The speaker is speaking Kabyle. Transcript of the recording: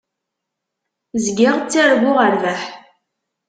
Zgiɣ ttarguɣ rrbeḥ.